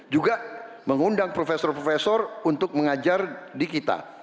saya mengundang profesor profesor untuk mengajar di kita